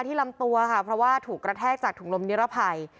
ลำตัวค่ะเพราะว่าถูกกระแทกจากถุงลมนิรภัย